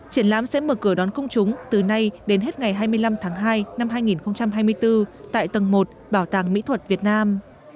triển lãm sẽ mở cửa đón công chúng từ nay đến hết ngày hai mươi năm tháng hai năm hai nghìn hai mươi bốn tại tầng một bảo tàng mỹ thuật việt nam